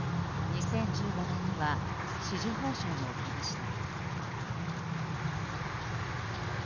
２０１５年には紫綬褒章を受けました。